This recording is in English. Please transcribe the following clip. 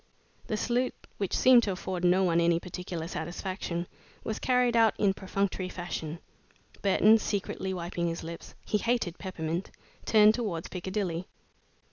The salute, which seemed to afford no one any particular satisfaction, was carried out in perfunctory fashion. Burton, secretly wiping his lips he hated peppermint turned towards Piccadilly.